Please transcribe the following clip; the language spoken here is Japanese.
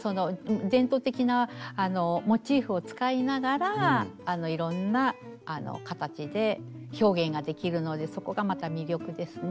伝統的なモチーフを使いながらいろんな形で表現ができるのでそこがまた魅力ですね。